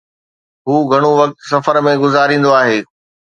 هو گهڻو وقت سفر ۾ گذاريندو آهي